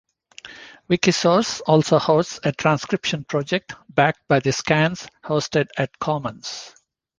Wikisource also hosts a transcription project backed by the scans hosted at Commons.